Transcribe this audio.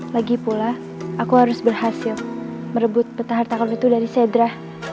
lagi pula aku harus berhasil merebut peta harta karun itu dari sedra